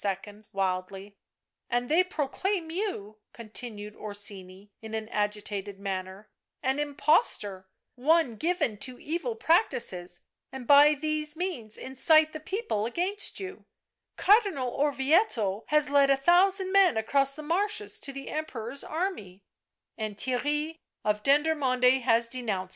wildly. " And they proclaim you," continued Orsini in an agitated manner, " an impostor, one given to evil prac tices, and by these means incite the people against you ; Cardinal Orvieto has led a thousand men across the marshes to the Emperor's army "" And Theirry of Dendermonde has denounced me